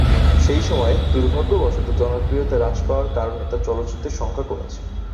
সে সময়ে দুর্ভাগ্যবশত, জনপ্রিয়তা হ্রাস পাবার কারণে তার চলচ্চিত্রের সংখ্যা কমছে।